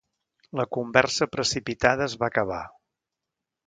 La conversa precipitada es va acabar.